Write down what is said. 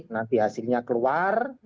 nanti hasilnya keluar